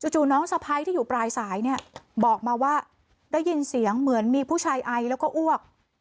จู่น้องสะพ้ายที่อยู่ปลายสายเนี่ยบอกมาว่าได้ยินเสียงเหมือนมีผู้ชายไอแล้วก็อ้วก